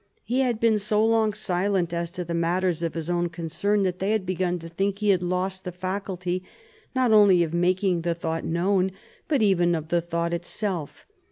He had been so long silent as to matters of his own concern that they had begun to think he had lost the faculty not only of making the thought known, but even of the thought itself.